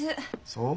そう？